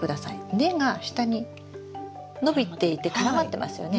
根が下に伸びていて絡まってますよね？